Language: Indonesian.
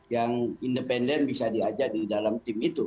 yang independen bisa diajak di dalam tim itu